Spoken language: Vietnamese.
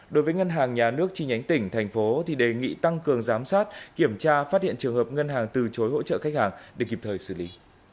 đối với ngân hàng nhà nước chi nhánh tỉnh thành phố đề nghị tăng cường giám sát kiểm tra phát hiện trường hợp ngân hàng từ chối hỗ trợ khách hàng để kịp thời xử lý